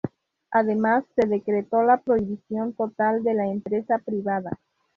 Además se decretó la prohibición total de la empresa privada.